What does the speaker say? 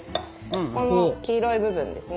この黄色い部分ですね。